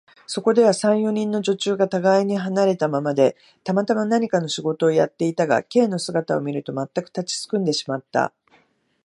そこでは、三、四人の女中がたがいに離れたままで、たまたま何かの仕事をやっていたが、Ｋ の姿を見ると、まったく立ちすくんでしまった。